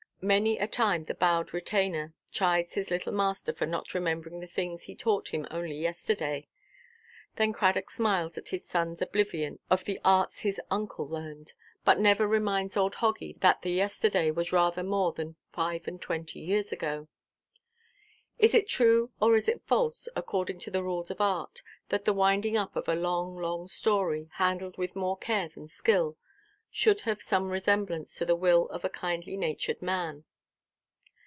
Many a time the bowed retainer chides his little master for not remembering the things he taught him only yesterday. Then Cradock smiles at his sonʼs oblivion of the arts his uncle learned, but never reminds old Hoggy that the yesterday was rather more than five–and–twenty years ago. Is it true or is it false, according to the rules of art, that the winding–up of a long, long story, handled with more care than skill, should have some resemblance to the will of a kindly–natured man?